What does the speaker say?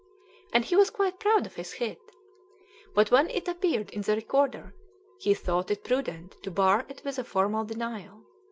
and he was quite proud of his hit. But when it appeared in the Recorder, he thought it prudent to bar it with a formal denial.